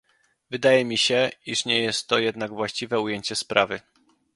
Wydaje mi się, iż nie jest to jednak właściwe ujęcie sprawy